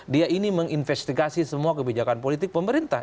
dia ini menginvestigasi semua kebijakan politik pemerintah